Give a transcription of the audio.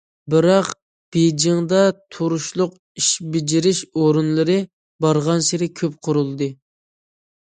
بىراق بېيجىڭدا تۇرۇشلۇق ئىش بېجىرىش ئورۇنلىرى بارغانسېرى كۆپ قۇرۇلدى.